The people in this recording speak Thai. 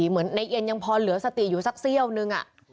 เหมือนหน่อยยังพอเหลือสติอยู่สักเสี้ยวหนึ่งอะ